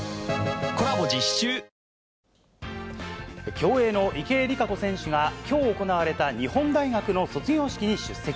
競泳の池江璃花子選手が、きょう行われた日本大学の卒業式に出席。